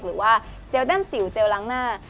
หรือว่าเจลแต้มสิวเจลล้างหน้า